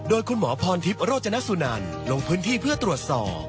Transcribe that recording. โดยคุณหมอพรทิพย์โรจนสุนันลงพื้นที่เพื่อตรวจสอบ